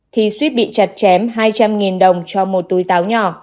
thì suýt bị chặt chém hai trăm linh đồng cho một túi táo nhỏ